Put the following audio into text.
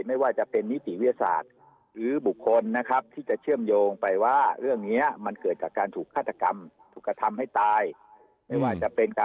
ก็ให้ข่าวให้สัมภาษณ์เลยใช่ไหมฮะว่าเนี้ยต้องถูกลงละเมิดแน่นอน